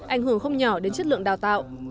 ảnh hưởng không nhỏ đến chất lượng đào tạo